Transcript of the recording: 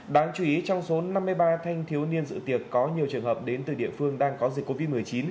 đáng chú ý trong số năm mươi ba thanh thiếu niên dự tiệc có nhiều trường hợp đến từ địa phương đang có dịch covid một mươi chín